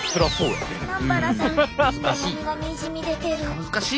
南原さん悩みがにじみ出てる。